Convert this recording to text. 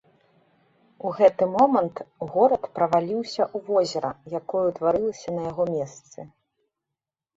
У гэты момант горад праваліўся ў возера, якое ўтварылася на яго месцы.